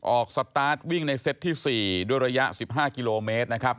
สตาร์ทวิ่งในเซตที่๔ด้วยระยะ๑๕กิโลเมตรนะครับ